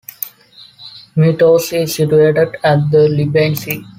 Myrtos is situated at the Libyan Sea.